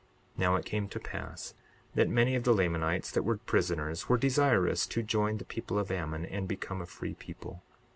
62:27 Now it came to pass that many of the Lamanites that were prisoners were desirous to join the people of Ammon and become a free people.